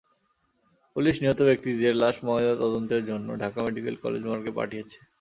Police নিহত ব্যক্তিদের লাশ ময়নাতদন্তের জন্য ঢাকা মেডিকেল কলেজ মর্গে পাঠিয়েছে।